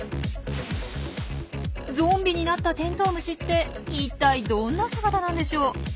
ゾンビになったテントウムシって一体どんな姿なんでしょう。